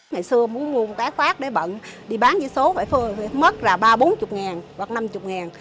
ngày xưa muốn mua một cái khoác để bận đi bán với số phải phương mất là ba mươi bốn mươi ngàn hoặc năm mươi ngàn